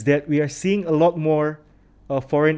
adalah kita melihat banyak lagi